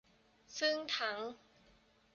ซึ่งทั้ง